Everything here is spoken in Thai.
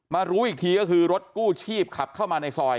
รู้อีกทีก็คือรถกู้ชีพขับเข้ามาในซอย